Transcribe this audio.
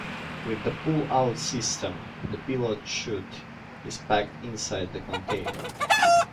With the pull-out system, the pilot chute is packed inside the container.